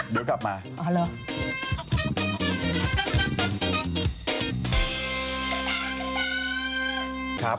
เดี๋ยวกลับมา